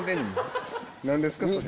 何ですか？